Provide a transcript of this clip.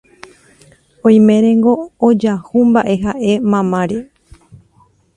oiménengo ojahúmba'e ha'e mamáre